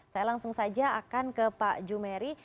saya langsung saja akan ke pak jumeri